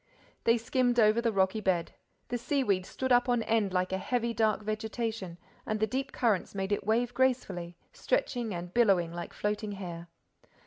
They skimmed over the rocky bed. The seaweed stood up on end like a heavy, dark vegetation and the deep currents made it wave gracefully, stretching and billowing like floating hair.